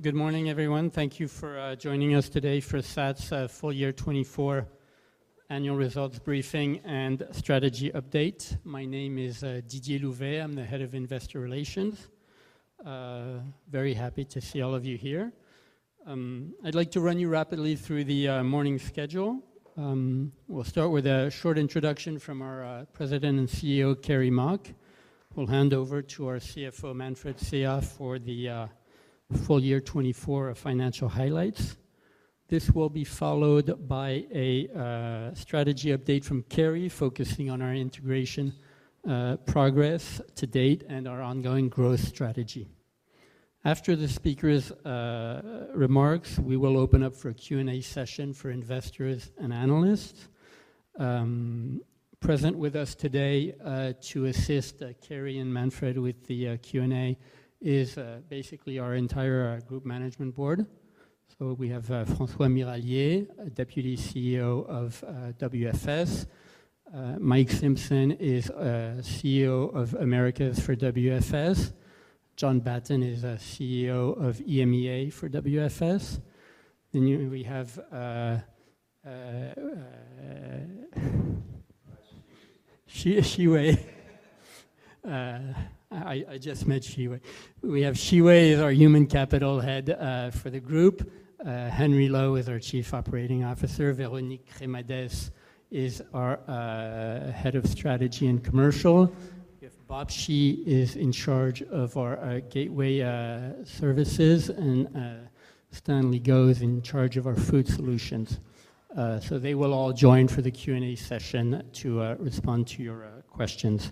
Good morning, everyone. Thank you for joining us today for SATS' Full Year 2024 Annual Results Briefing and Strategy Update. My name is Didier Louvet. I'm the Head of Investor Relations. Very happy to see all of you here. I'd like to run you rapidly through the morning schedule. We'll start with a short introduction from our President and CEO, Kerry Mok. We'll hand over to our CFO, Manfred Seah, for the full year 2024 financial highlights. This will be followed by a strategy update from Kerry, focusing on our integration progress to date and our ongoing growth strategy. After the speakers' remarks, we will open up for a Q&A session for investors and analysts. Present with us today to assist Kerry and Manfred with the Q&A is basically our entire group management board. So we have François Mirallié, Deputy CEO of WFS. Mike Simpson is CEO of Americas for WFS. John Batten is CEO of EMEA for WFS. Then we have Tan Chee Wei. I just met Tan Chee Wei. We have Tan Chee Wei as our Human Capital Head for the group. Henry Low is our Chief Operating Officer. Véronique Cremades-Mathis is our Head of Strategy and Commercial. We have Bob Chi is in charge of our Gateway Services, and Stanley Goh is in charge of our Food Solutions. So they will all join for the Q&A session to respond to your questions.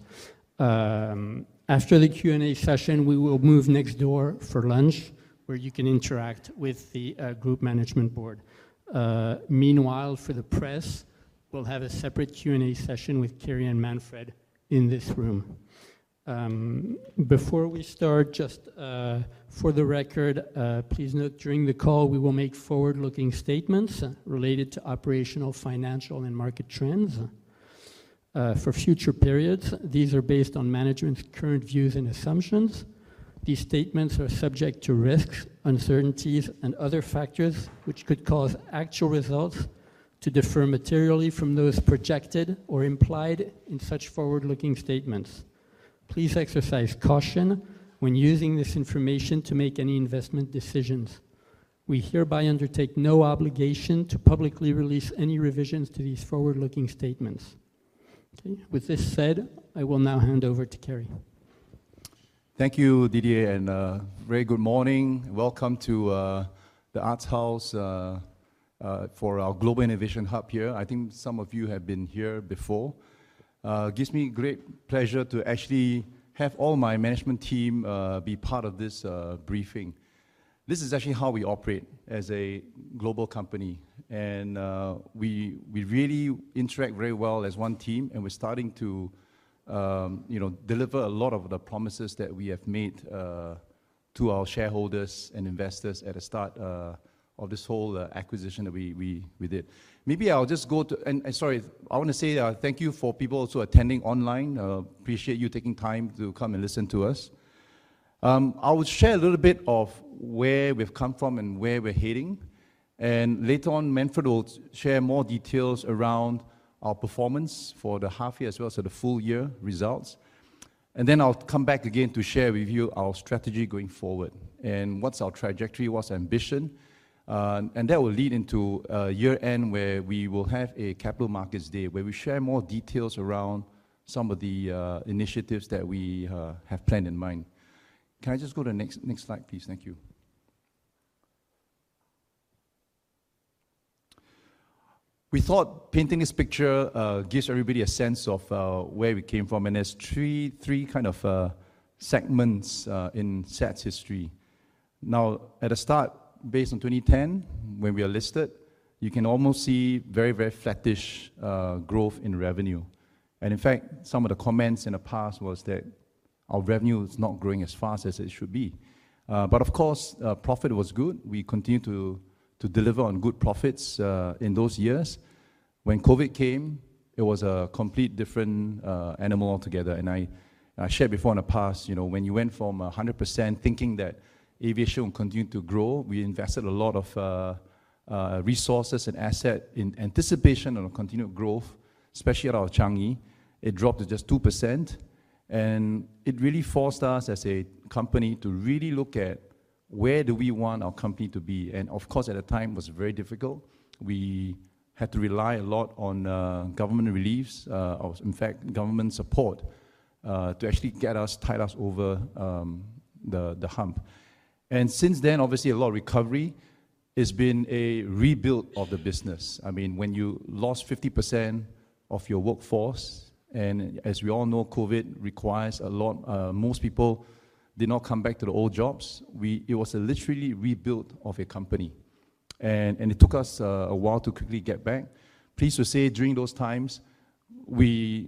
After the Q&A session, we will move next door for lunch, where you can interact with the group management board. Meanwhile, for the press, we'll have a separate Q&A session with Kerry Mok and Manfred Seah in this room. Before we start, just for the record, please note during the call, we will make forward-looking statements related to operational, financial, and market trends for future periods. These are based on management's current views and assumptions. These statements are subject to risks, uncertainties, and other factors, which could cause actual results to differ materially from those projected or implied in such forward-looking statements. Please exercise caution when using this information to make any investment decisions. We hereby undertake no obligation to publicly release any revisions to these forward-looking statements. Okay, with this said, I will now hand over to Kerry. Thank you, Didier, and very good morning. Welcome to the Arts House for our Global Innovation Hub here. I think some of you have been here before. It gives me great pleasure to actually have all my management team be part of this briefing. This is actually how we operate as a global company, and we really interact very well as one team, and we're starting to you know deliver a lot of the promises that we have made to our shareholders and investors at the start of this whole acquisition that we did. Maybe I'll just go to. And sorry, I wanna say thank you for people also attending online. Appreciate you taking time to come and listen to us. I will share a little bit of where we've come from and where we're heading. Later on, Manfred will share more details around our performance for the half year, as well as the full year results. Then I'll come back again to share with you our strategy going forward, and what's our trajectory, what's our ambition. And that will lead into year-end, where we will have a capital markets day, where we share more details around some of the initiatives that we have planned in mind. Can I just go to the next slide, please? Thank you. We thought painting this picture gives everybody a sense of where we came from, and there's three kind of segments in SATS' history. Now, at the start, based on 2010, when we are listed, you can almost see very, very flattish growth in revenue. In fact, some of the comments in the past was that our revenue is not growing as fast as it should be. But of course, profit was good. We continued to deliver on good profits in those years. When COVID came, it was a complete different animal altogether. And I shared before in the past, you know, when you went from 100%, thinking that aviation will continue to grow, we invested a lot of resources and asset in anticipation of continued growth, especially at our Changi. It dropped to just 2%, and it really forced us as a company to really look at where do we want our company to be, and of course, at the time, it was very difficult. We had to rely a lot on government reliefs, or in fact, government support, to actually get us tide us over the hump. Since then, obviously, a lot of recovery. It's been a rebuild of the business. I mean, when you lost 50% of your workforce, and as we all know, COVID requires a lot, most people did not come back to the old jobs. It was a literally rebuilt of a company, and it took us a while to quickly get back. Pleased to say, during those times, we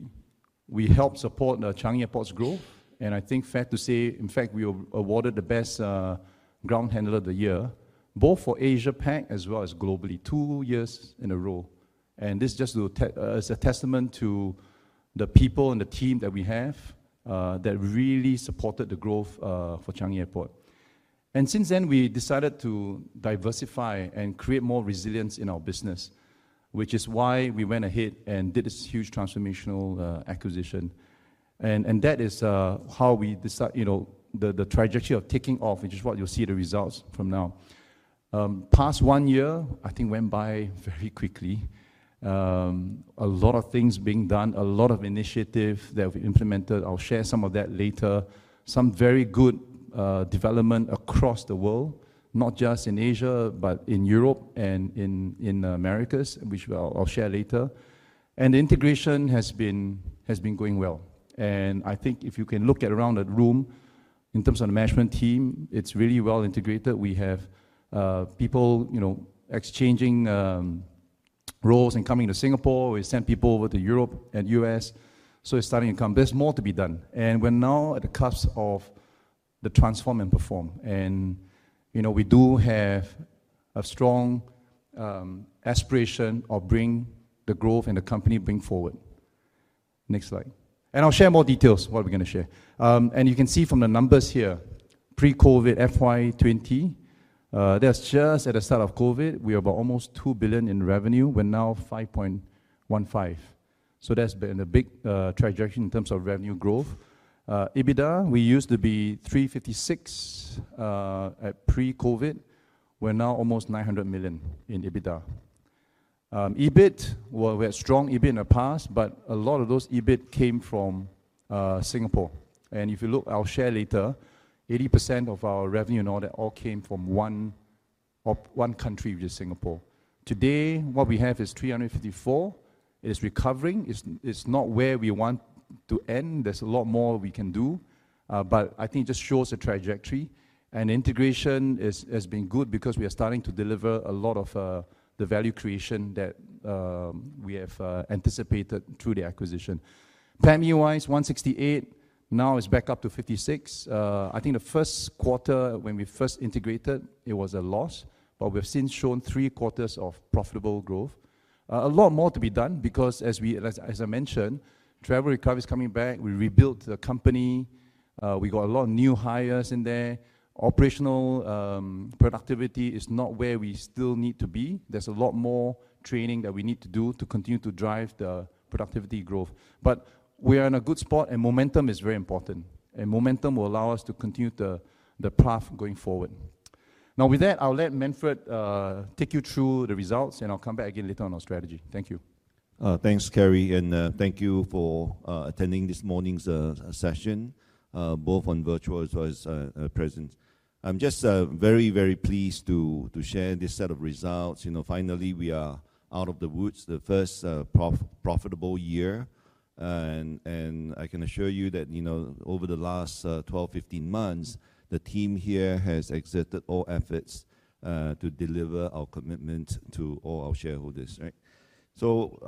helped support Changi Airport's growth, and I think fair to say, in fact, we were awarded the best ground handler of the year both for Asia-Pac as well as globally, two years in a row. And this just is a testament to the people and the team that we have that really supported the growth for Changi Airport. And since then, we decided to diversify and create more resilience in our business, which is why we went ahead and did this huge transformational acquisition. And that is how we decide, you know, the trajectory of taking off, which is what you'll see the results from now. Past one year, I think, went by very quickly. A lot of things being done, a lot of initiative that we've implemented. I'll share some of that later. Some very good development across the world, not just in Asia, but in Europe and in the Americas, which I'll share later. Integration has been going well. I think if you can look around the room, in terms of the management team, it's really well integrated. We have people, you know, exchanging roles and coming to Singapore. We send people over to Europe and U.S., so it's starting to come. There's more to be done, and we're now at the cusp of the transform and perform. You know, we do have a strong aspiration of bringing the growth and the company bring forward. Next slide. I'll share more details, what we're gonna share. And you can see from the numbers here, pre-COVID FY 2020, that's just at the start of COVID. We are about almost 2 billion in revenue. We're now 5.15 billion So that's been a big trajectory in terms of revenue growth. EBITDA, we used to be 356 million at pre-COVID. We're now almost 900 million in EBITDA. EBIT, well, we had strong EBIT in the past, but a lot of those EBIT came from Singapore. And if you look, I'll share later, 80% of our revenue and all that all came from one country, which is Singapore. Today, what we have is 354 million. It is recovering. It's not where we want to end. There's a lot more we can do, but I think it just shows the trajectory. Integration has been good because we are starting to deliver a lot of the value creation that we have anticipated through the acquisition. PATMI-wise, 168 million, now is back up to 56 million. I think the first quarter, when we first integrated, it was a loss, but we've since shown three quarters of profitable growth. A lot more to be done because as I mentioned, travel recovery is coming back. We rebuilt the company. We got a lot of new hires in there. Operational productivity is not where we still need to be. There's a lot more training that we need to do to continue to drive the productivity growth. But we are in a good spot, and momentum is very important, and momentum will allow us to continue the path going forward. Now, with that, I'll let Manfred take you through the results, and I'll come back again later on our strategy. Thank you. Thanks, Kerry, and thank you for attending this morning's session, both on virtual as well as present. I'm just very, very pleased to share this set of results. You know, finally, we are out of the woods, the first profitable year. I can assure you that, you know, over the last 12, 15 months, the team here has exerted all efforts to deliver our commitment to all our shareholders, right? So,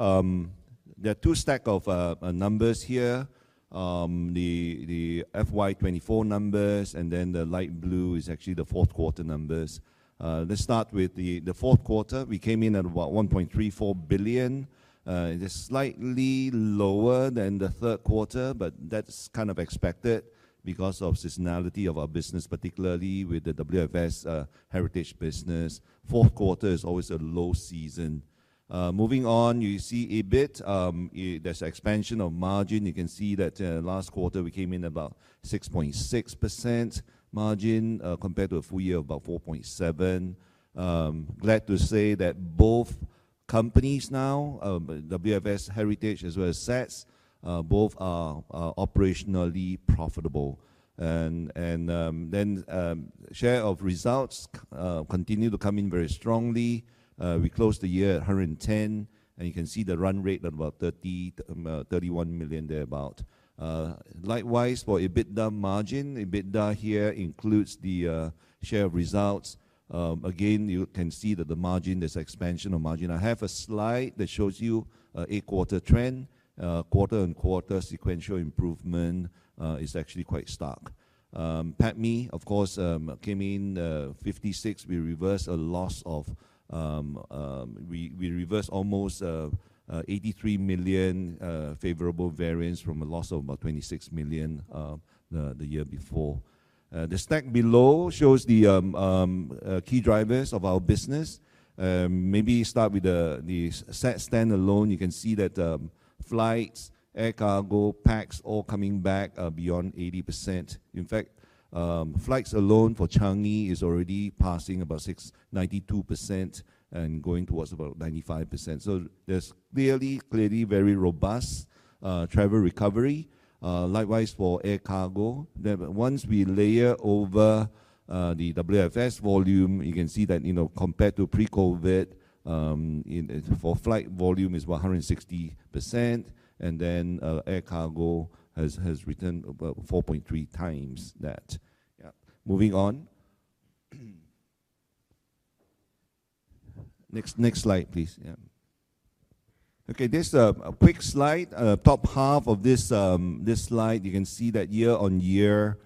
there are two stack of numbers here. The FY 2024 numbers, and then the light blue is actually the fourth quarter numbers. Let's start with the fourth quarter. We came in at about 1.34 billion. It is slightly lower than the third quarter, but that's kind of expected because of seasonality of our business, particularly with the WFS Heritage business. Fourth quarter is always a low season. Moving on, you see EBIT. There's expansion of margin. You can see that, last quarter, we came in about 6.6% margin, compared to a full year, about 4.7%. Glad to say that both companies now, WFS Heritage as well as SATS, both are operationally profitable. And then, share of results continue to come in very strongly. We closed the year at 110 million, and you can see the run rate at about 30 million-31 million, thereabout. Likewise, for EBITDA margin, EBITDA here includes the share of results. Again, you can see that the margin, there's expansion of margin. I have a slide that shows you a quarter trend, quarter and quarter sequential improvement is actually quite stark. PATMI, of course, came in 56 million. We reversed a loss of we reversed almost 83 million favorable variance from a loss of about 26 million the year before. The stack below shows the key drivers of our business. Maybe start with the SATS standalone. You can see that flights, air cargo, pax all coming back beyond 80%. In fact, flights alone for Changi is already passing about 92% and going towards about 95%. So there's clearly, clearly very robust travel recovery, likewise for air cargo. Then once we layer over the WFS volume, you can see that, you know, compared to pre-COVID, in-flight volume is about 160%, and then air cargo has returned about 4.3x that. Yeah. Moving on. Next slide, please. Yeah. Okay, this is a quick slide. Top half of this slide, you can see that year-on-year,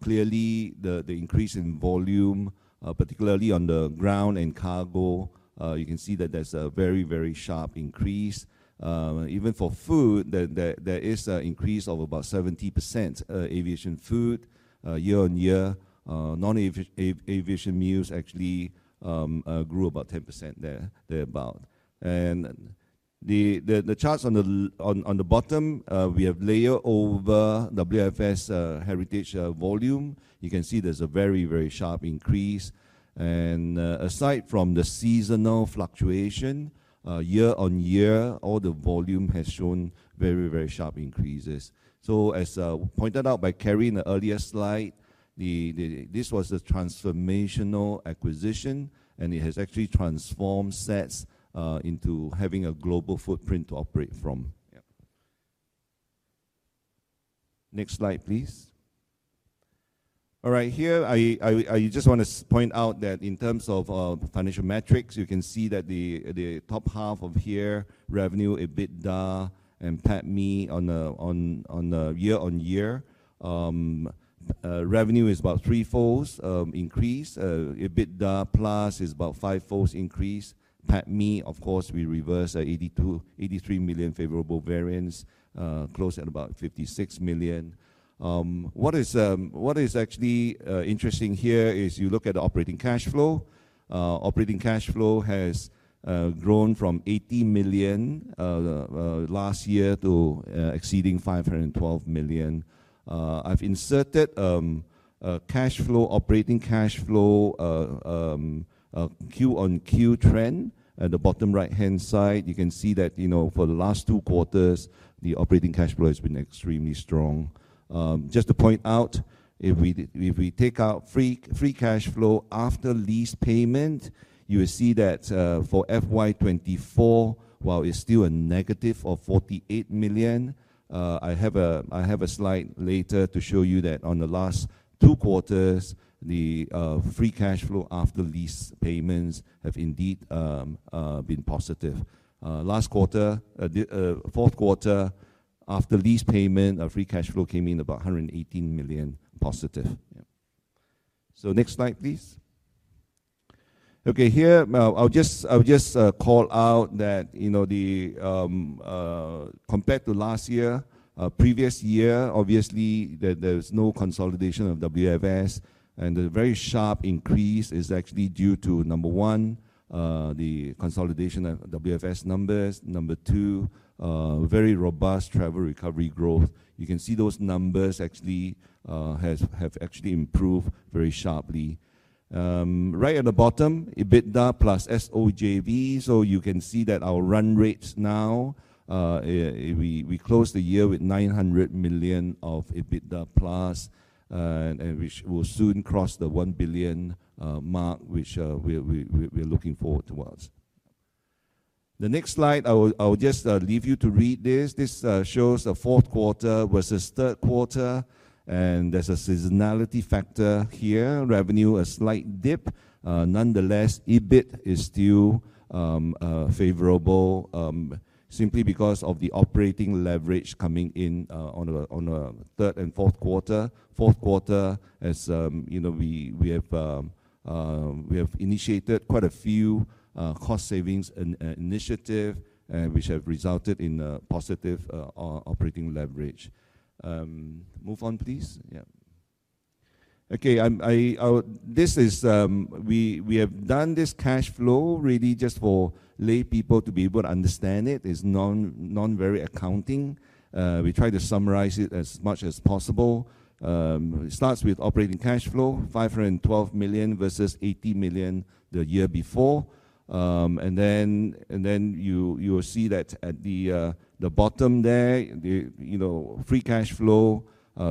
clearly the increase in volume, particularly on the ground and cargo, you can see that there's a very, very sharp increase. Even for food, there is an increase of about 70%, aviation food year-on-year. Non-aviation meals actually grew about 10% thereabout. And the charts on the bottom, we have layered over WFS Heritage volume. You can see there's a very, very sharp increase, and aside from the seasonal fluctuation, year on year, all the volume has shown very, very sharp increases. So as pointed out by Kerry in the earlier slide, this was a transformational acquisition, and it has actually transformed SATS into having a global footprint to operate from. Yeah. Next slide, please. All right, here, I just want to point out that in terms of financial metrics, you can see that the top half of here, revenue, EBITDA, and PATMI on a year-on-year. Revenue is about three-folds increase. EBITDA plus is about five-folds increase. PATMI, of course, we reverse a 83 million favorable variance, close at about 56 million. What is actually interesting here is you look at the operating cash flow. Operating cash flow has grown from 80 million last year to exceeding 512 million. I've inserted a cash flow, operating cash flow, a Q-on-Q trend. At the bottom right-hand side, you can see that, you know, for the last two quarters, the operating cash flow has been extremely strong. Just to point out, if we take out free cash flow after lease payment, you will see that, for FY 2024, while it's still a -48 million, I have a slide later to show you that on the last two quarters, the free cash flow after lease payments have indeed been positive. Last quarter, the fourth quarter, after lease payment, our free cash flow came in about +118 million. Yeah. So next slide, please. Okay, here, I'll just call out that, you know, the, compared to last year, previous year, obviously, there was no consolidation of WFS, and the very sharp increase is actually due to, number one, the consolidation of WFS numbers. Number two, very robust travel recovery growth. You can see those numbers actually have actually improved very sharply. Right at the bottom, EBITDA plus SOJV, so you can see that our run rates now, we closed the year with 900 million of EBITDA+, and which will soon cross the 1 billion mark, which we're looking forward towards. The next slide, I will just leave you to read this. This shows the fourth quarter versus third quarter, and there's a seasonality factor here. Revenue, a slight dip. Nonetheless, EBIT is still favorable, simply because of the operating leverage coming in, on a third and fourth quarter. Fourth quarter, as you know, we have initiated quite a few cost savings initiatives which have resulted in a positive operating leverage. Move on, please. Yeah. Okay, I. This is, we have done this cash flow really just for laypeople to be able to understand it. It's non-very accounting. We tried to summarize it as much as possible. It starts with operating cash flow, 512 million versus 80 million the year before. And then you will see that at the bottom there, you know, free cash flow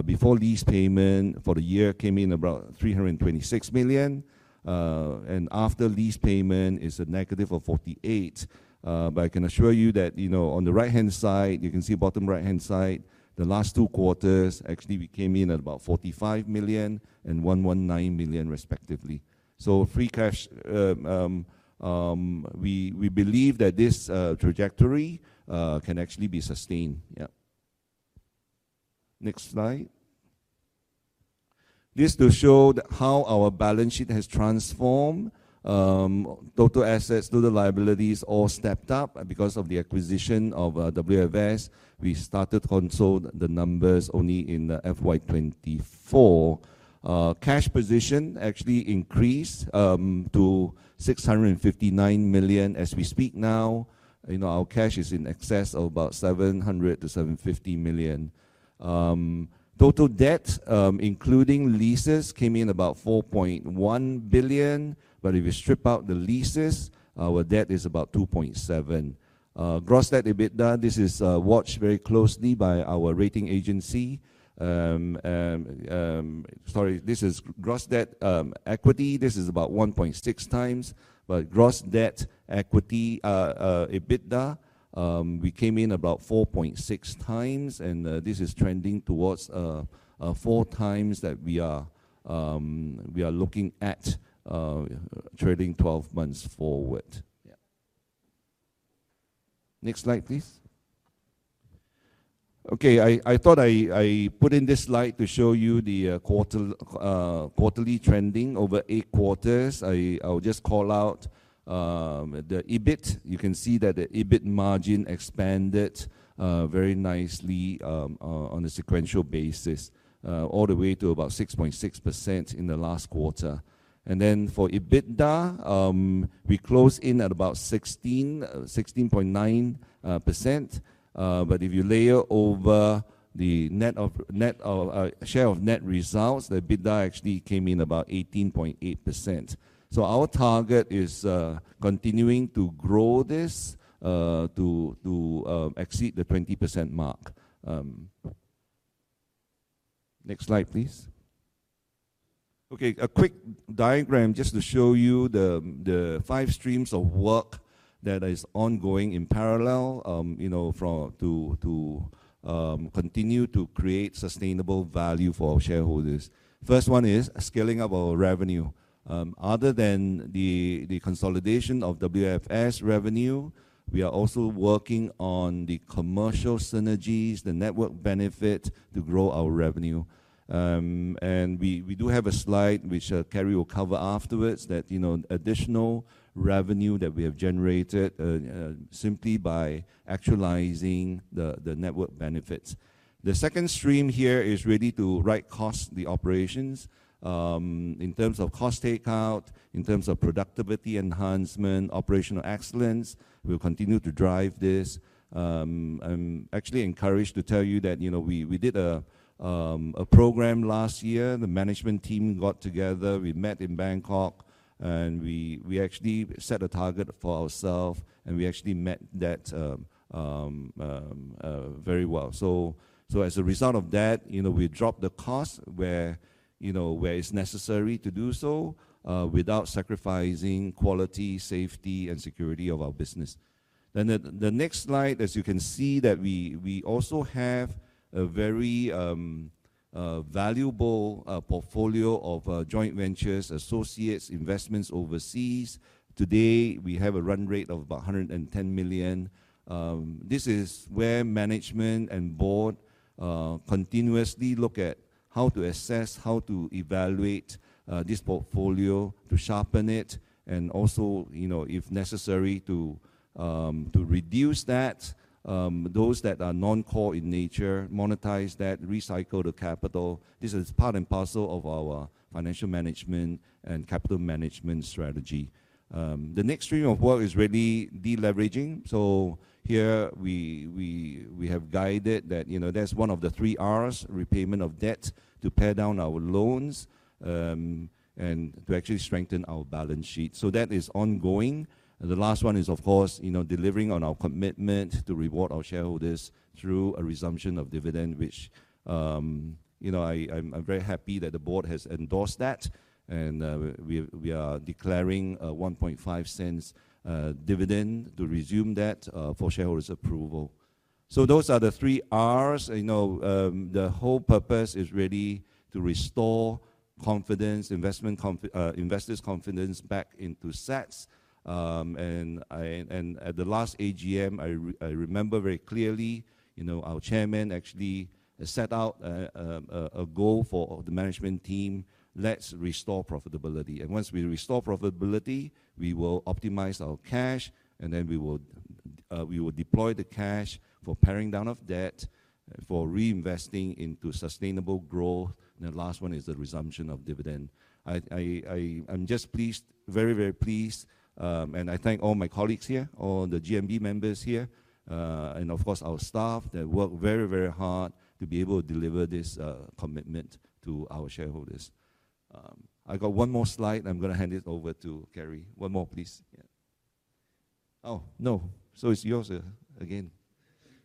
before lease payment for the year came in about 326 million, and after lease payment is a -48 million. But I can assure you that, you know, on the right-hand side, you can see bottom right-hand side, the last two quarters, actually, we came in at about 45 million and 119 million, respectively. So free cash, we believe that this trajectory can actually be sustained. Yeah. Next slide. This to show how our balance sheet has transformed. Total assets, total liabilities all stepped up because of the acquisition of WFS. We started to consult the numbers only in FY 2024. Cash position actually increased to 659 million as we speak now. You know, our cash is in excess of about 700 million-750 million. Total debt, including leases, came in about 4.1 billion, but if you strip out the leases, our debt is about 2.7 billion. Gross debt EBITDA, this is watched very closely by our rating agency. Sorry, this is gross debt equity. This is about 1.6x, but gross debt equity EBITDA, we came in about 4.6x, and this is trending towards 4x that we are looking at trading 12 months forward. Yeah. Next slide, please. Okay, I thought I put in this slide to show you the quarterly trending over eight quarters. I'll just call out the EBIT. You can see that the EBIT margin expanded very nicely on a sequential basis all the way to about 6.6% in the last quarter. And then for EBITDA, we close in at about 16.9%. But if you layer over the net of net share of net results, the EBITDA actually came in about 18.8%. So our target is continuing to grow this to exceed the 20% mark. Next slide, please. Okay, a quick diagram just to show you the five streams of work that is ongoing in parallel, you know, to continue to create sustainable value for our shareholders. First one is scaling up our revenue. Other than the consolidation of WFS revenue, we are also working on the commercial synergies, the network benefit to grow our revenue. And we do have a slide, which Kerry will cover afterwards, that, you know, additional revenue that we have generated simply by actualizing the network benefits. The second stream here is really to right-cost the operations. In terms of cost takeout, in terms of productivity enhancement, operational excellence, we'll continue to drive this. I'm actually encouraged to tell you that, you know, we, we did a, a program last year. The management team got together, we met in Bangkok, and we, we actually set a target for ourself, and we actually met that, very well. So as a result of that, you know, we dropped the cost where, you know, where it's necessary to do so, without sacrificing quality, safety, and security of our business. Then the next slide, as you can see, that we, we also have a very, valuable, portfolio of, joint ventures, associates, investments overseas. Today, we have a run rate of about 110 million. This is where management and board continuously look at how to assess, how to evaluate this portfolio, to sharpen it, and also, you know, if necessary, to reduce that. Those that are non-core in nature, monetize that, recycle the capital. This is part and parcel of our financial management and capital management strategy. The next stream of work is really de-leveraging. So here, we have guided that, you know, that's one of the three Rs, repayment of debt, to pay down our loans, and to actually strengthen our balance sheet. So that is ongoing. The last one is, of course, you know, delivering on our commitment to reward our shareholders through a resumption of dividend, which, you know, I, I'm very happy that the board has endorsed that. We are declaring a 0.015 dividend to resume that for shareholders' approval. So those are the three Rs. You know, the whole purpose is really to restore confidence, investors' confidence back into SATS. And at the last AGM, I remember very clearly, you know, our chairman actually set out a goal for the management team, "Let's restore profitability. And once we restore profitability, we will optimize our cash, and then we will deploy the cash for paring down of debt, for reinvesting into sustainable growth. And the last one is the resumption of dividend." I'm just pleased, very, very pleased. I thank all my colleagues here, all the GMB members here, and of course, our staff that work very, very hard to be able to deliver this commitment to our shareholders. I got one more slide, and I'm gonna hand it over to Kerry. One more, please. Yeah. Oh, no. So it's yours, again. You can take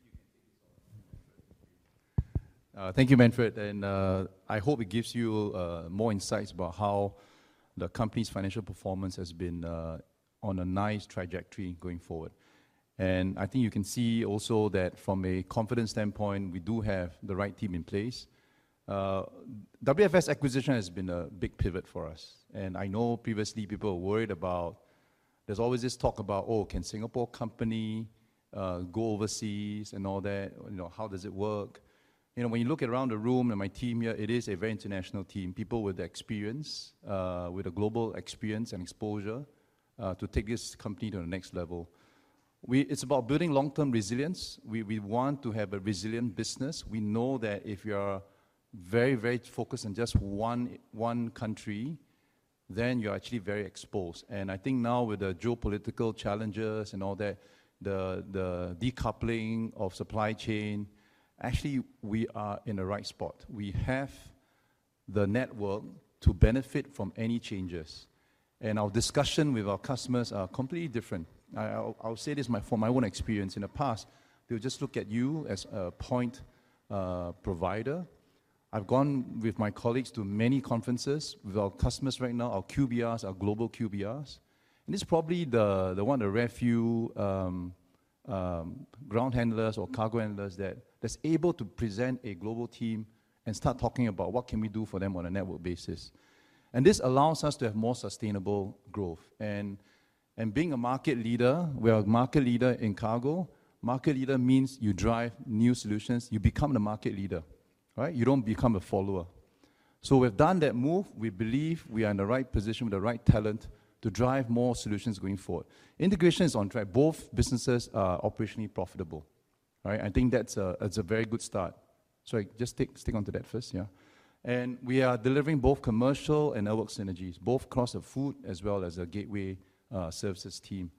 this off. Thank you, Manfred, and I hope it gives you more insights about how the company's financial performance has been on a nice trajectory going forward. I think you can see also that from a confidence standpoint, we do have the right team in place. WFS acquisition has been a big pivot for us, and I know previously people were worried about, there's always this talk about, "Oh, can Singapore company go overseas?" and all that. You know, how does it work? You know, when you look around the room at my team here, it is a very international team. People with the experience with a global experience and exposure to take this company to the next level. It's about building long-term resilience. We, we want to have a resilient business. We know that if you are very, very focused on just one country, then you're actually very exposed. I think now with the geopolitical challenges and all that, the decoupling of supply chain, actually, we are in the right spot. We have the network to benefit from any changes, and our discussion with our customers are completely different. I'll say this, from my own experience. In the past, they would just look at you as a point provider. I've gone with my colleagues to many conferences with our customers right now, our QBRs, our global QBRs, and it's probably one of the rare few ground handlers or cargo handlers that's able to present a global team and start talking about what can we do for them on a network basis. And this allows us to have more sustainable growth. Being a market leader, we are a market leader in cargo. Market leader means you drive new solutions, you become the market leader, right? You don't become a follower. So we've done that move. We believe we are in the right position, with the right talent, to drive more solutions going forward. Integration is on track. Both businesses are operationally profitable, right? I think that's a very good start. So just stick onto that first, yeah. And we are delivering both commercial and network synergies, both across the food as well as the gateway services team.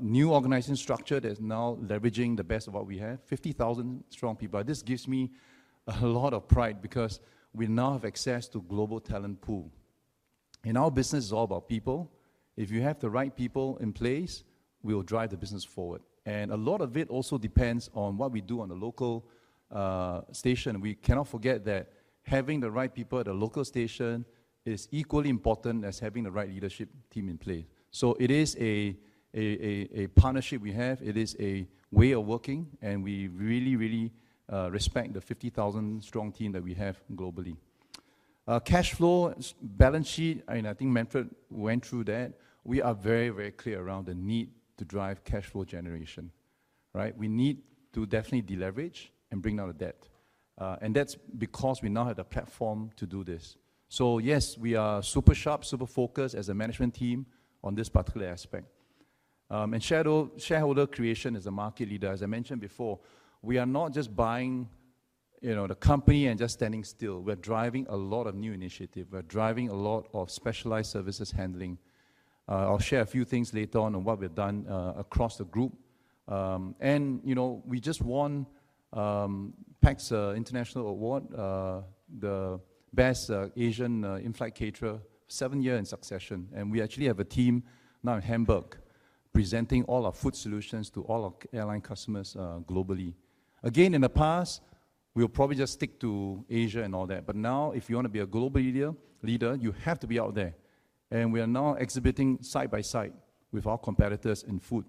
New organizing structure that is now leveraging the best of what we have, 50,000 strong people. This gives me a lot of pride because we now have access to global talent pool. Our business is all about people. If you have the right people in place, we will drive the business forward. And a lot of it also depends on what we do on the local station. We cannot forget that having the right people at the local station is equally important as having the right leadership team in place. So it is a partnership we have. It is a way of working, and we really respect the 50,000-strong team that we have globally. Cash flow, balance sheet, and I think Manfred went through that. We are very, very clear around the need to drive cash flow generation, right? We need to definitely deleverage and bring down the debt. And that's because we now have the platform to do this. So yes, we are super sharp, super focused as a management team on this particular aspect. And shareholder value creation as a market leader, as I mentioned before, we are not just buying, you know, the company and just standing still. We're driving a lot of new initiative. We're driving a lot of specialized services handling. I'll share a few things later on, on what we've done, across the group. And, you know, we just won PAX's international award, the best Asian in-flight caterer, seventh year in succession. And we actually have a team now in Hamburg, presenting all our food solutions to all our airline customers, globally. Again, in the past, we'll probably just stick to Asia and all that, but now if you wanna be a global leader, you have to be out there. And we are now exhibiting side by side with our competitors in food.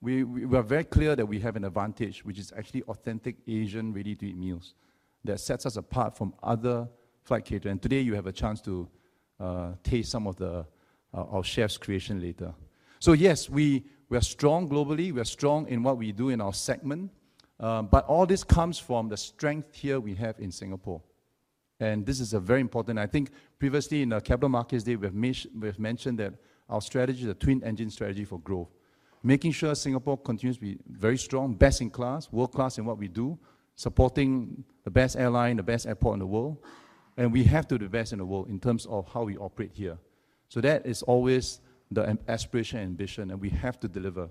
We're very clear that we have an advantage, which is actually authentic Asian ready-to-eat meals, that sets us apart from other flight caterers. And today, you have a chance to taste some of the our chef's creation later. So yes, we are strong globally, we are strong in what we do in our segment, but all this comes from the strength here we have in Singapore. And this is a very important. I think previously in the Capital Markets Day, we have mentioned that our strategy, the twin engine strategy for growth, making sure Singapore continues to be very strong, best in class, world-class in what we do, supporting the best airline, the best airport in the world. And we have to be the best in the world in terms of how we operate here. So that is always the aspiration and ambition, and we have to deliver.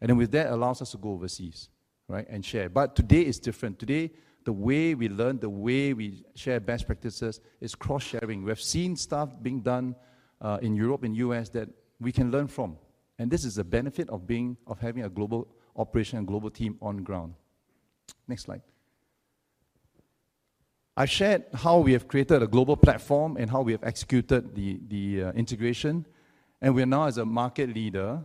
And then with that allows us to go overseas, right? And share. But today is different. Today, the way we learn, the way we share best practices is cross-sharing. We have seen stuff being done in Europe and U.S. that we can learn from, and this is the benefit of having a global operation and global team on the ground. Next slide. I shared how we have created a global platform and how we have executed the integration, and we are now as a market leader.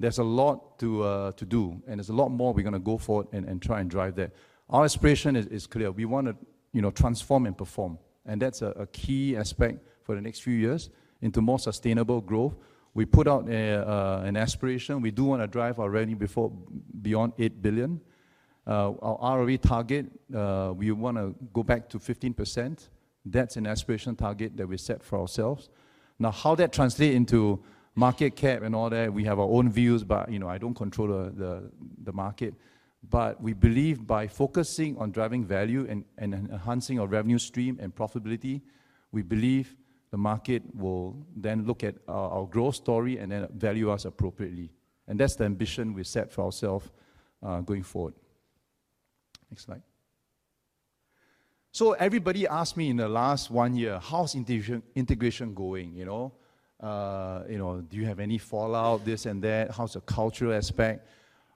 There's a lot to do, and there's a lot more we're gonna go forward and try and drive that. Our aspiration is clear: we wanna, you know, transform and perform. And that's a key aspect for the next few years into more sustainable growth. We put out an aspiration. We do wanna drive our revenue beyond 8 billion. Our ROE target, we wanna go back to 15%. That's an aspirational target that we set for ourselves. Now, how that translate into market cap and all that, we have our own views, but, you know, I don't control the market. But we believe by focusing on driving value and enhancing our revenue stream and profitability, we believe the market will then look at our growth story and then value us appropriately. And that's the ambition we set for ourself going forward. Next slide. So everybody asked me in the last one year, "How's integration, integration going?" You know, you know, "Do you have any fallout?" This and that. "How's the cultural aspect?"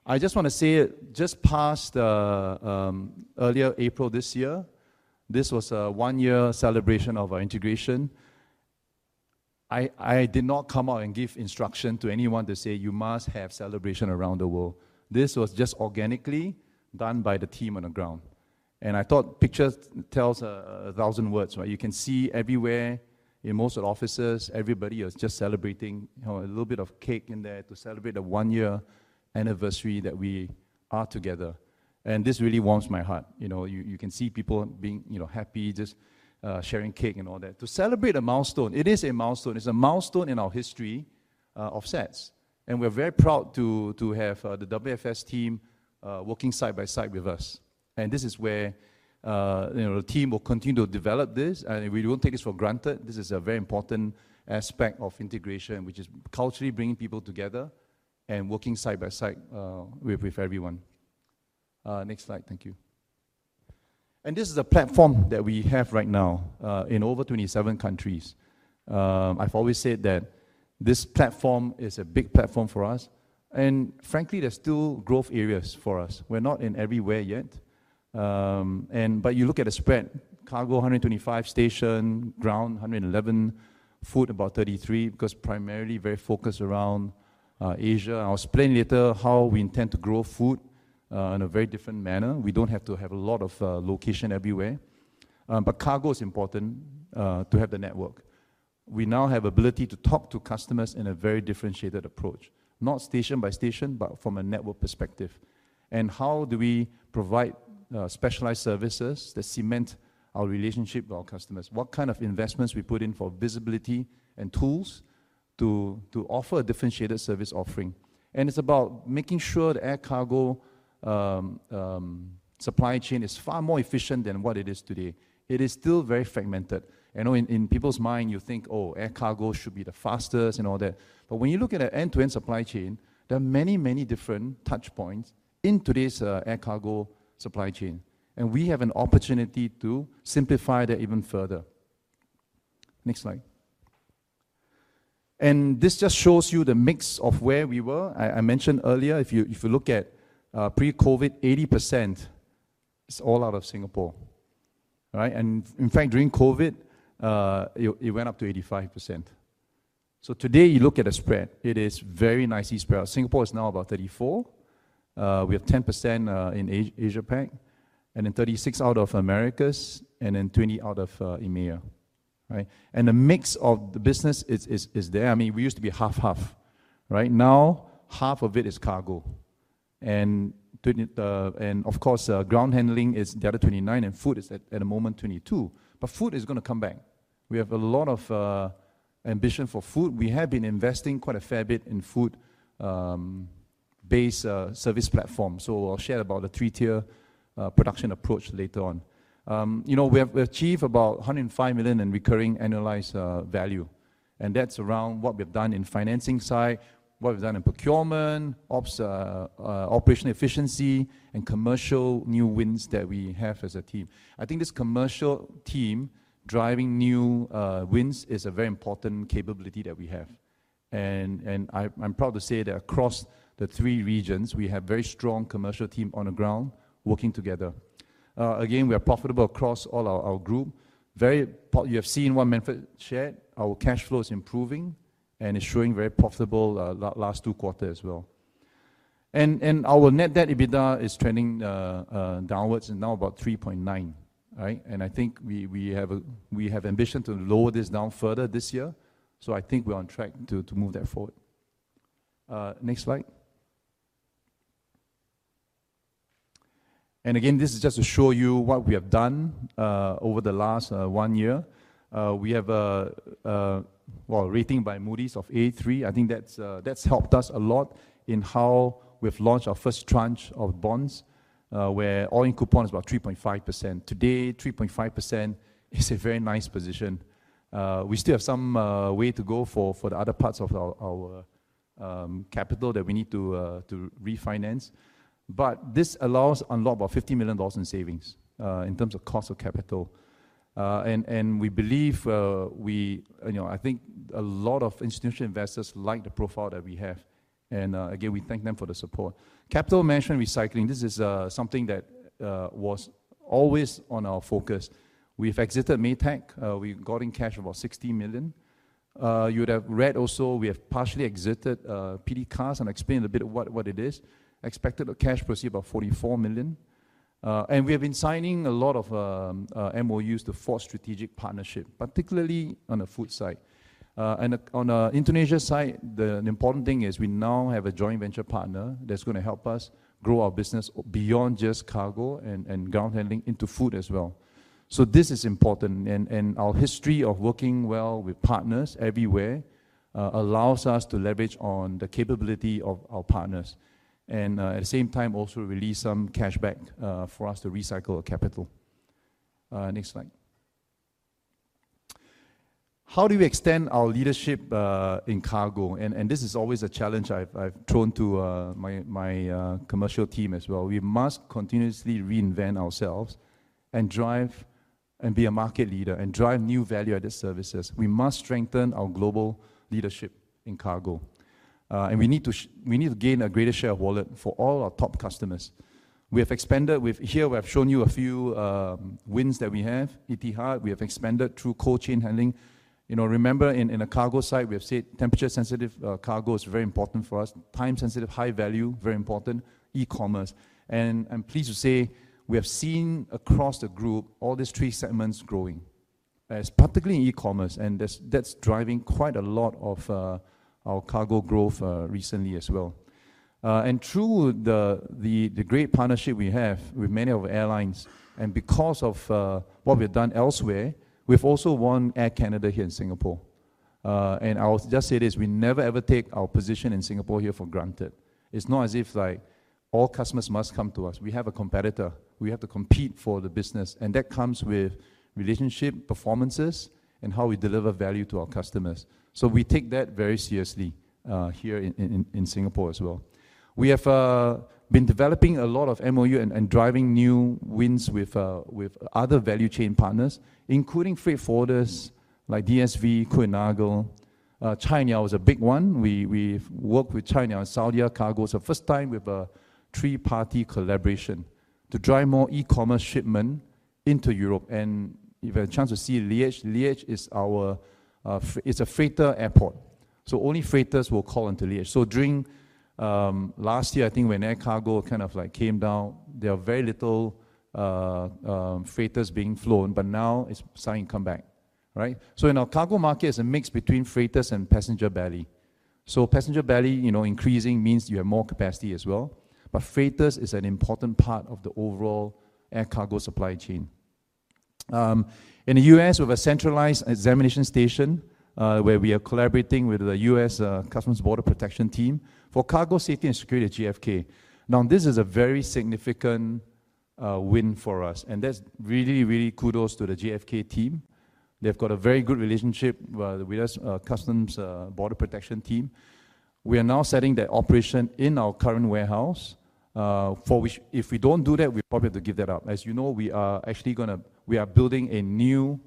I just wanna say, just past, earlier April this year, this was a one-year celebration of our integration. I, I did not come out and give instruction to anyone to say, "You must have celebration around the world." This was just organically done by the team on the ground. And I thought picture tells, a thousand words, right? You can see everywhere, in most of the offices, everybody was just celebrating. You know, a little bit of cake in there to celebrate the one-year anniversary that we are together. And this really warms my heart. You know, you, you can see people being, you know, happy, just, sharing cake and all that. To celebrate a milestone. It is a milestone. It's a milestone in our history of SATS. And we're very proud to have the WFS team working side by side with us. And this is where, you know, the team will continue to develop this, and we won't take this for granted. This is a very important aspect of integration, which is culturally bringing people together and working side by side with everyone. Next slide. Thank you. And this is the platform that we have right now in over 27 countries. I've always said that this platform is a big platform for us, and frankly, there's still growth areas for us. We're not in everywhere yet, and you look at the spread, cargo, 125 station, ground, 111, food, about 33, because primarily very focused around Asia. I'll explain later how we intend to grow food in a very different manner. We don't have to have a lot of location everywhere. But cargo is important to have the network. We now have ability to talk to customers in a very differentiated approach, not station by station, but from a network perspective. And how do we provide specialized services that cement our relationship with our customers? What kind of investments we put in for visibility and tools to offer a differentiated service offering? And it's about making sure the air cargo supply chain is far more efficient than what it is today. It is still very fragmented. I know in people's mind, you think, "Oh, air cargo should be the fastest," and all that. But when you look at an end-to-end supply chain, there are many, many different touch points in today's air cargo supply chain, and we have an opportunity to simplify that even further. Next slide. This just shows you the mix of where we were. I mentioned earlier, if you look at pre-COVID, 80% is all out of Singapore, right? And in fact, during COVID, it went up to 85%. So today, you look at the spread, it is very nicely spread out. Singapore is now about 34%. We have 10% in Asia-Pac, and then 36% out of Americas, and then 20% out of EMEA, right? And the mix of the business is there. I mean, we used to be 1/2-1/2, right? Now, 1/2 of it is cargo. And of course, ground handling is the other 29%, and food is at, at the moment, 22%. But food is gonna come back. We have a lot of ambition for food. We have been investing quite a fair bit in food base service platform. So I'll share about the three-tier production approach later on. You know, we have, we achieved about 105 million in recurring annualized value, and that's around what we've done in financing side, what we've done in procurement, ops, operational efficiency, and commercial new wins that we have as a team. I think this commercial team driving new wins is a very important capability that we have, and, and I, I'm proud to say that across the three regions, we have very strong commercial team on the ground working together. Again, we are profitable across all our, our group. Very positive, you have seen what Manfred shared, our cash flow is improving and is showing very profitable, last two quarters as well. And, and our net debt EBITDA is trending, downwards and now about 3.9x, right? And I think we, we have, we have ambition to lower this down further this year, so I think we're on track to, to move that forward. Next slide. And again, this is just to show you what we have done, over the last, one year. We have a, a, well, rating by Moody's of A3. I think that's, that's helped us a lot in how we've launched our first tranche of bonds, where all-in coupon is about 3.5%. Today, 3.5% is a very nice position. We still have some way to go for the other parts of our capital that we need to refinance, but this allows a lot, about $50 million in savings in terms of cost of capital. And we believe, we, you know, I think a lot of institutional investors like the profile that we have, and again, we thank them for the support. Capital management recycling, this is something that was always on our focus. We've exited Maytag. We got in cash about $60 million. You would have read also, we have partially exited PT CAS, and I'll explain a bit of what it is. Expected a cash proceed about $44 million. And we have been signing a lot of MOUs to forge strategic partnership, particularly on the food side. And on the Indonesia side, the important thing is we now have a joint venture partner that's gonna help us grow our business beyond just cargo and ground handling into food as well. So this is important, and our history of working well with partners everywhere allows us to leverage on the capability of our partners, and at the same time, also release some cash back for us to recycle our capital. Next slide. How do we extend our leadership in cargo? And this is always a challenge I've thrown to my commercial team as well. We must continuously reinvent ourselves and drive and be a market leader and drive new value-added services. We must strengthen our global leadership in cargo, and we need to gain a greater share of wallet for all our top customers. We have expanded. Here, we have shown you a few wins that we have. Etihad, we have expanded through cold chain handling. You know, remember, in a cargo site, we have said temperature-sensitive cargo is very important for us, time-sensitive, high value, very important, e-commerce. And I'm pleased to say we have seen across the group, all these three segments growing, as particularly in e-commerce, and that's driving quite a lot of our cargo growth recently as well. And through the great partnership we have with many of our airlines, and because of what we've done elsewhere, we've also won Air Canada here in Singapore. And I'll just say this: we never, ever take our position in Singapore here for granted. It's not as if, like, all customers must come to us. We have a competitor. We have to compete for the business, and that comes with relationship, performances, and how we deliver value to our customers. So we take that very seriously here in Singapore as well. We have been developing a lot of MOU and driving new wins with other value chain partners, including freight forwarders like DSV, Kuehne+Nagel. China was a big one. We've worked with China and Saudia Cargo. So first time we have a three-party collaboration to drive more e-commerce shipment into Europe. And if you have a chance to see Liège, Liège, it's a freighter airport, so only freighters will call into Liège. So during last year, I think when air cargo kind of like came down, there were very little freighters being flown, but now it's starting to come back, right? So in our cargo market, it's a mix between freighters and passenger belly. So passenger belly, you know, increasing means you have more capacity as well, but freighters is an important part of the overall air cargo supply chain. In the U.S., we have a centralized examination station, where we are collaborating with the U.S. Customs and Border Protection team for cargo safety and security at JFK. Now, this is a very significant win for us, and that's really, really kudos to the JFK team. They've got a very good relationship with U.S. Customs and Border Protection team. We are now setting that operation in our current warehouse, for which if we don't do that, we probably have to give that up. As you know, we are actually gonna, we are building a new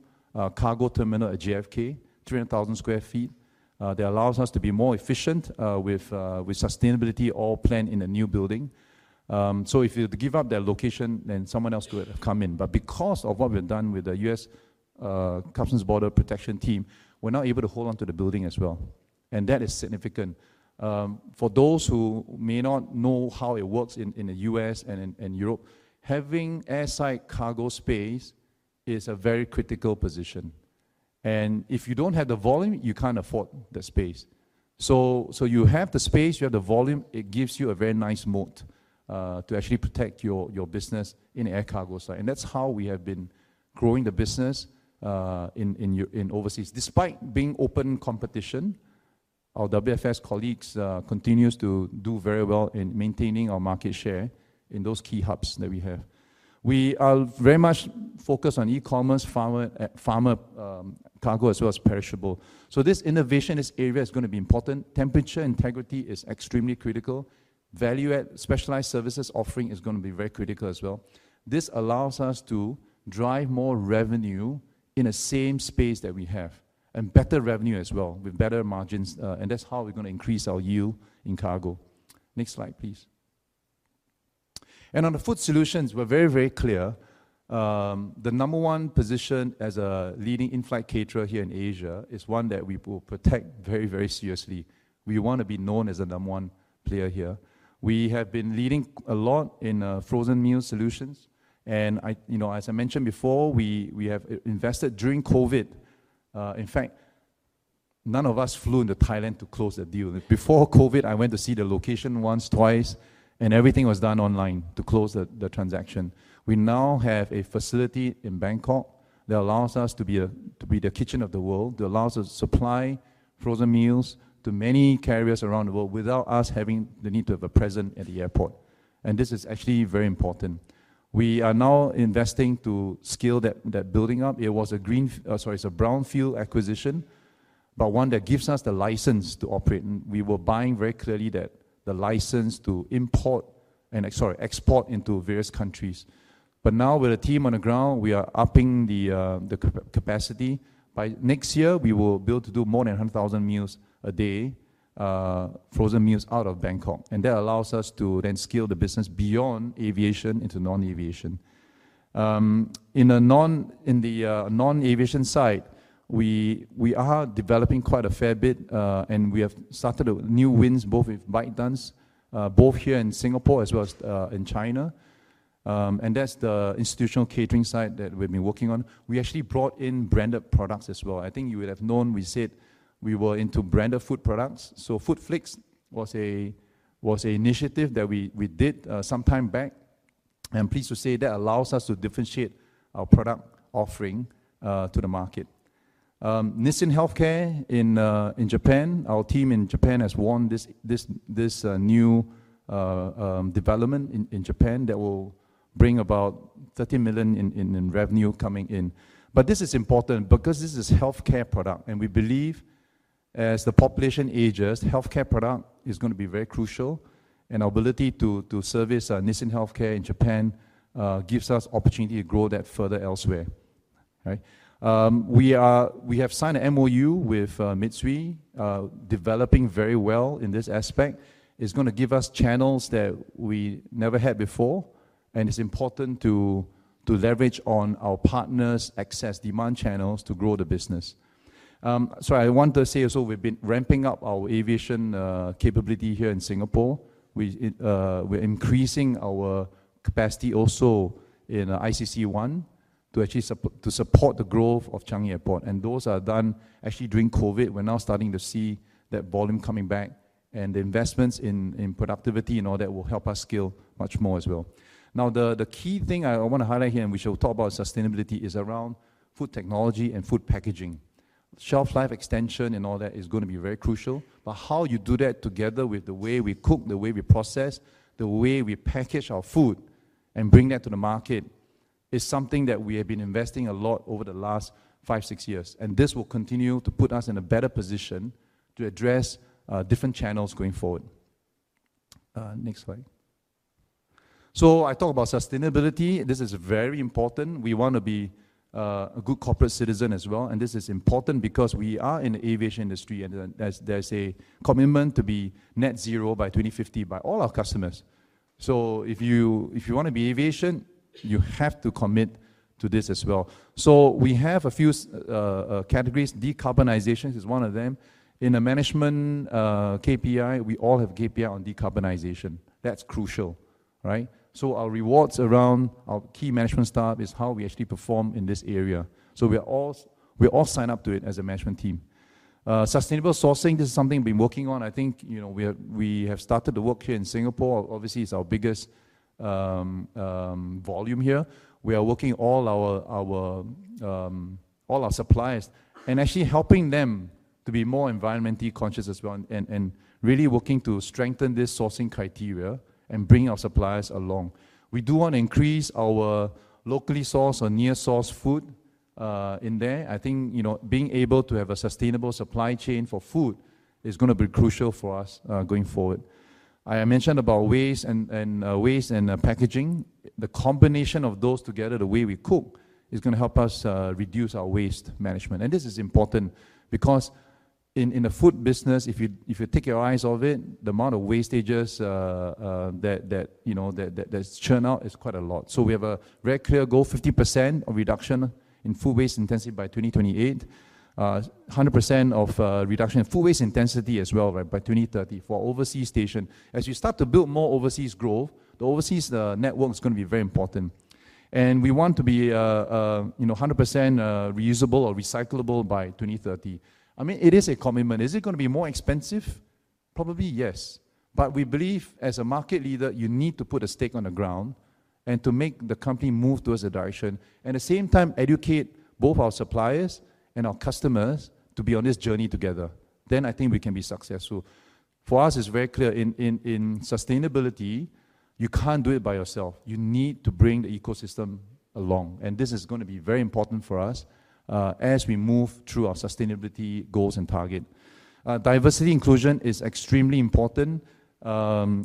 cargo terminal at JFK, 300,000 sq ft, that allows us to be more efficient, with sustainability all planned in the new building. So if you'd give up that location, then someone else could come in. But because of what we've done with the U.S. Customs and Border Protection team, we're now able to hold on to the building as well, and that is significant. For those who may not know how it works in the U.S. and in Europe, having airside cargo space is a very critical position, and if you don't have the volume, you can't afford the space. So, you have the space, you have the volume, it gives you a very nice moat to actually protect your business on the air cargo side. And that's how we have been growing the business in overseas. Despite being open competition, our WFS colleagues continue to do very well in maintaining our market share in those key hubs that we have. We are very much focused on e-commerce, pharma cargo, as well as perishable. So this innovation, this area, is gonna be important. Temperature integrity is extremely critical. Value add, specialized services offering is gonna be very critical as well. This allows us to drive more revenue in the same space that we have, and better revenue as well, with better margins, and that's how we're gonna increase our yield in cargo. Next slide, please. And on the food solutions, we're very, very clear. The number one position as a leading in-flight caterer here in Asia is one that we will protect very, very seriously. We want to be known as the number one player here. We have been leading a lot in frozen meal solutions, and I, you know, as I mentioned before, we have invested during COVID. In fact, none of us flew into Thailand to close the deal. Before COVID, I went to see the location once, twice, and everything was done online to close the transaction. We now have a facility in Bangkok that allows us to be the kitchen of the world, that allows us to supply frozen meals to many carriers around the world without us having the need to have a presence at the airport, and this is actually very important. We are now investing to scale that building up. It was a brownfield acquisition, but one that gives us the license to operate. We were buying very clearly that, the license to export into various countries. But now with a team on the ground, we are upping the capacity. By next year, we will be able to do more than 100,000 meals a day, frozen meals out of Bangkok, and that allows us to then scale the business beyond aviation into non-aviation. In the non-aviation side, we are developing quite a fair bit, and we have started new wins both with ByteDance both here in Singapore as well as in China. And that's the institutional catering side that we've been working on. We actually brought in branded products as well. I think you would have known, we said we were into branded food products. So Foodflix was an initiative that we did some time back, and I'm pleased to say that allows us to differentiate our product offering to the market. Nissin Healthcare in Japan, our team in Japan has won this new development in Japan that will bring about 30 million in revenue coming in. But this is important because this is healthcare product, and we believe as the population ages, healthcare product is gonna be very crucial, and our ability to service Nissin Healthcare in Japan gives us opportunity to grow that further elsewhere. Right? We have signed an MOU with Mitsui developing very well in this aspect. It's gonna give us channels that we never had before, and it's important to leverage on our partners' access, demand channels to grow the business. So I want to say also, we've been ramping up our aviation capability here in Singapore. We're increasing our capacity also in ICC1 to support the growth of Changi Airport, and those are done actually during COVID. We're now starting to see that volume coming back and the investments in productivity and all that will help us scale much more as well. Now, the key thing I wanna highlight here, and we shall talk about sustainability, is around food technology and food packaging. Shelf life extension and all that is gonna be very crucial, but how you do that together with the way we cook, the way we process, the way we package our food and bring that to the market, is something that we have been investing a lot over the last five, six years. And this will continue to put us in a better position to address different channels going forward. Next slide. So I talk about sustainability. This is very important. We wanna be a good corporate citizen as well, and this is important because we are in the aviation industry, and then there's a commitment to be net zero by 2050 by all our customers. So if you wanna be aviation, you have to commit to this as well. So we have a few categories. Decarbonization is one of them. In the management KPI, we all have KPI on decarbonization. That's crucial, right? So our rewards around our key management staff is how we actually perform in this area. So we are all we all sign up to it as a management team. Sustainable sourcing, this is something we've been working on. I think, you know, we have started to work here in Singapore. Obviously, it's our biggest volume here. We are working all our suppliers, and actually helping them to be more environmentally conscious as well, and really working to strengthen this sourcing criteria and bring our suppliers along. We do wanna increase our locally sourced or near-sourced food in there. I think, you know, being able to have a sustainable supply chain for food is gonna be crucial for us going forward. I mentioned about waste and waste and packaging. The combination of those together, the way we cook, is gonna help us reduce our waste management. And this is important because in the food business, if you take your eyes off it, the amount of wastages, you know, that there's churn out is quite a lot. So we have a very clear goal, 50% reduction in food waste intensity by 2028. 100% reduction in food waste intensity as well, right, by 2030 for overseas station. As you start to build more overseas growth, the overseas network is gonna be very important. And we want to be, you know, 100% reusable or recyclable by 2030. I mean, it is a commitment. Is it gonna be more expensive? Probably, yes. But we believe as a market leader, you need to put a stake on the ground and to make the company move towards a direction, and at the same time educate both our suppliers and our customers to be on this journey together, then I think we can be successful. For us, it's very clear, in sustainability, you can't do it by yourself. You need to bring the ecosystem along, and this is gonna be very important for us as we move through our sustainability goals and target. Diversity inclusion is extremely important.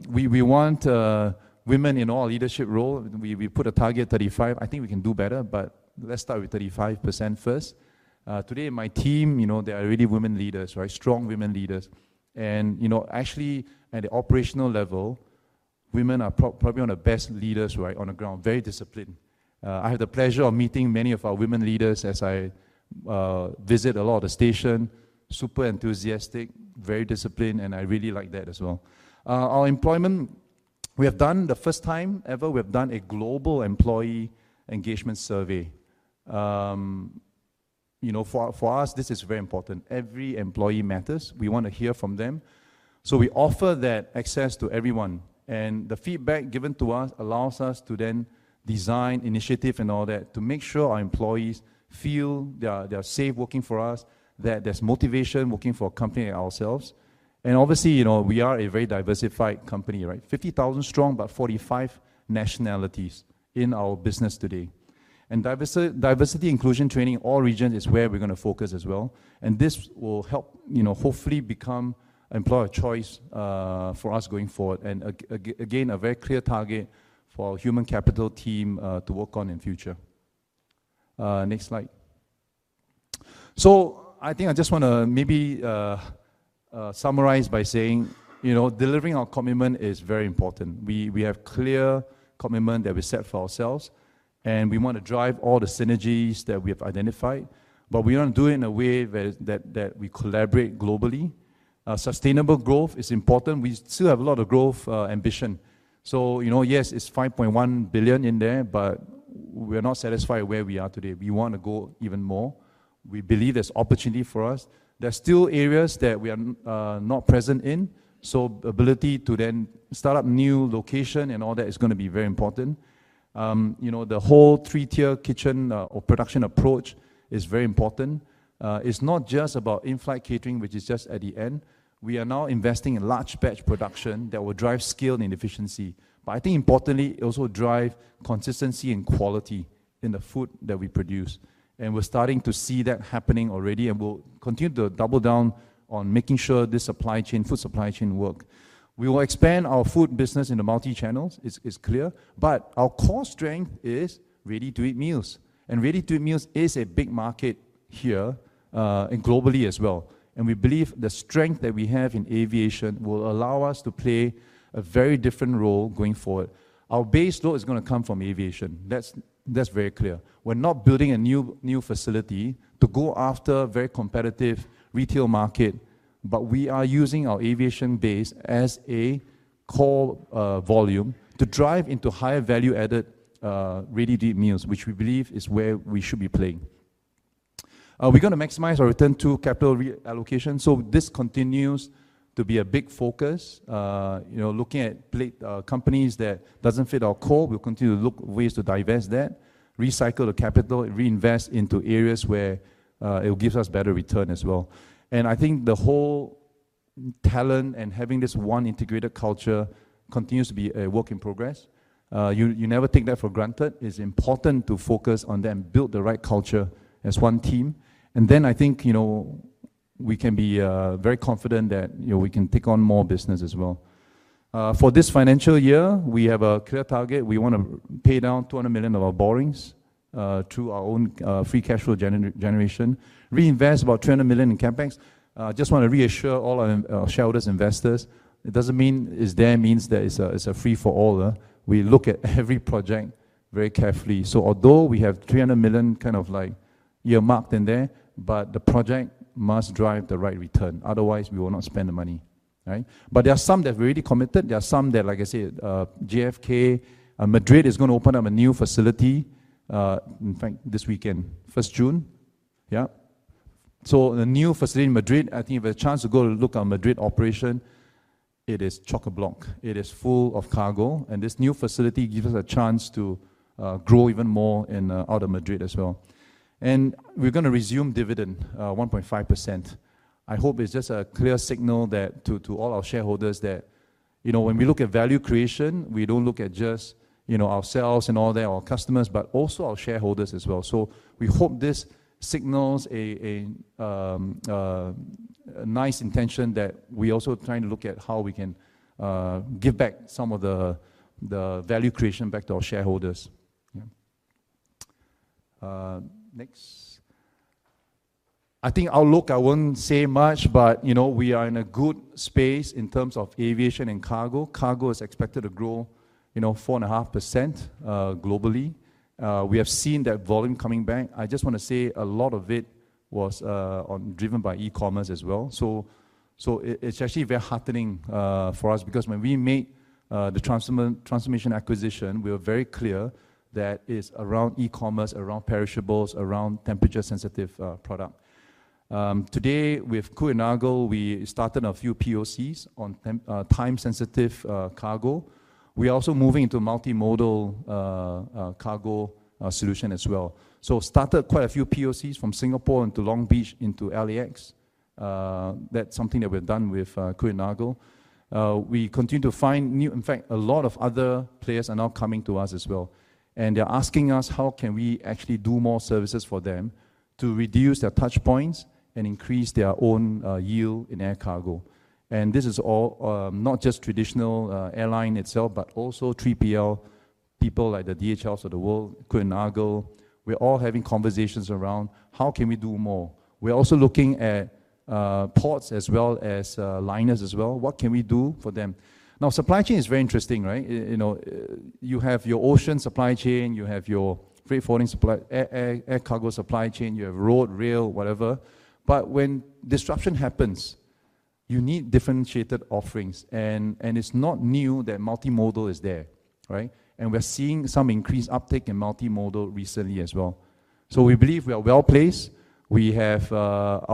We want women in all leadership role. We put a target 35%. I think we can do better, but let's start with 35% first. Today, my team, you know, there are already women leaders, right? Strong women leaders. And, you know, actually, at the operational level, women are probably one of the best leaders, right, on the ground. Very disciplined. I had the pleasure of meeting many of our women leaders as I visit a lot of the station. Super enthusiastic, very disciplined, and I really like that as well. Our employment, we have done the first time ever, we have done a global employee engagement survey. You know, for us, this is very important. Every employee matters. We wanna hear from them. So we offer that access to everyone, and the feedback given to us allows us to then design initiative and all that, to make sure our employees feel they are, they are safe working for us, that there's motivation working for a company like ourselves. And obviously, you know, we are a very diversified company, right? 50,000 strong, but 45 nationalities in our business today. And diversity inclusion training, all region is where we're gonna focus as well, and this will help, you know, hopefully become employer of choice, for us going forward. Again, a very clear target for our human capital team to work on in future. Next slide. So I think I just wanna maybe summarize by saying, you know, delivering our commitment is very important. We have clear commitment that we set for ourselves, and we wanna drive all the synergies that we have identified, but we wanna do it in a way where we collaborate globally. Sustainable growth is important. We still have a lot of growth ambition. So, you know, yes, it's 5.1 billion in there, but we're not satisfied where we are today. We wanna go even more. We believe there's opportunity for us. There are still areas that we are not present in, so ability to then start up new location and all that is gonna be very important. You know, the whole three-tier kitchen, or production approach is very important. It's not just about in-flight catering, which is just at the end. We are now investing in large batch production that will drive scale and efficiency. But I think importantly, it also drive consistency and quality in the food that we produce, and we're starting to see that happening already, and we'll continue to double down on making sure this supply chain, food supply chain work. We will expand our food business in the multi-channels, it's, it's clear, but our core strength is ready-to-eat meals, and ready-to-eat meals is a big market here, and globally as well. And we believe the strength that we have in aviation will allow us to play a very different role going forward. Our base load is gonna come from aviation. That's, that's very clear. We're not building a new, new facility to go after very competitive retail market, but we are using our aviation base as a core, volume to drive into higher value-added, ready-to-eat meals, which we believe is where we should be playing. We're gonna maximize our return to capital re-allocation, so this continues to be a big focus. You know, looking at companies that doesn't fit our core, we'll continue to look ways to divest that, recycle the capital, and reinvest into areas where, it will gives us better return as well. And I think the whole talent and having this one integrated culture continues to be a work in progress. You, you never take that for granted. It's important to focus on that and build the right culture as one team. And then I think, you know. We can be very confident that, you know, we can take on more business as well. For this financial year, we have a clear target. We wanna pay down 200 million of our borrowings through our own free cash flow generation, reinvest about 300 million in CapEx. Just wanna reassure all our shareholders, investors, it doesn't mean it's there means that it's a, it's a free-for-all. We look at every project very carefully. So although we have 300 million kind of like earmarked in there, but the project must drive the right return, otherwise we will not spend the money, right? But there are some that we already committed, there are some that, like I said, JFK, Madrid is gonna open up a new facility, in fact, this weekend, 1st June. Yeah. So the new facility in Madrid, I think if you have a chance to go and look at Madrid operation, it is chock-a-block. It is full of cargo, and this new facility gives us a chance to grow even more in out of Madrid as well. And we're gonna resume dividend 1.5%. I hope it's just a clear signal that to all our shareholders, that, you know, when we look at value creation, we don't look at just, you know, ourselves and all that, our customers, but also our shareholders as well. So we hope this signals a nice intention that we also trying to look at how we can give back some of the value creation back to our shareholders. Yeah. Next. I think outlook, I won't say much, but, you know, we are in a good space in terms of aviation and cargo. Cargo is expected to grow, you know, 4.5% globally. We have seen that volume coming back. I just wanna say a lot of it was driven by e-commerce as well. So it's actually very heartening for us because when we made the transformation acquisition, we were very clear that it's around e-commerce, around perishables, around temperature-sensitive product. Today, with Kuehne+Nagel, we started a few POCs on time-sensitive cargo. We are also moving into multimodal cargo solution as well. So started quite a few POCs from Singapore into Long Beach into LAX. That's something that we've done with Kuehne+Nagel. We continue to find new. In fact, a lot of other players are now coming to us as well, and they're asking us, how can we actually do more services for them to reduce their touch points and increase their own yield in air cargo? And this is all not just traditional airline itself, but also 3PL, people like the DHLs of the world, Kuehne+Nagel. We're all having conversations around: How can we do more? We're also looking at ports as well as liners as well. What can we do for them? Now, supply chain is very interesting, right? You know, you have your ocean supply chain, you have your freight forwarding supply, air cargo supply chain, you have road, rail, whatever. But when disruption happens, you need differentiated offerings, and it's not new that multimodal is there, right? And we're seeing some increased uptake in multimodal recently as well. So we believe we are well-placed. We have our,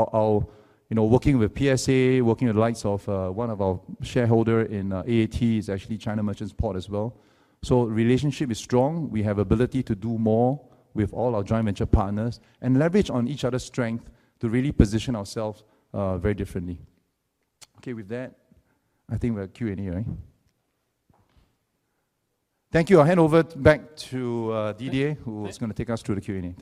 you know, working with PSA, working with the likes of one of our shareholder in AAT, is actually China Merchants Port as well. So relationship is strong. We have ability to do more with all our joint venture partners and leverage on each other's strength to really position ourselves very differently. Okay, with that, I think we have Q&A, right? Thank you. I'll hand over back to Didier. Thank you Who is gonna take us through the Q&A.